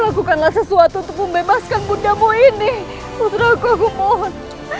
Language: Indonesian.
lakukanlah sesuatu untuk membebaskan bunda moini putra aku mohon